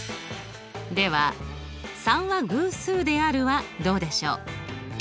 では「３は偶数である」はどうでしょう？